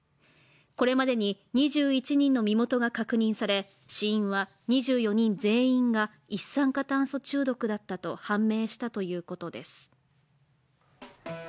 これまでに２１人の身元が確認され死因は２４人全員が一酸化炭素中毒だったと判明したということです。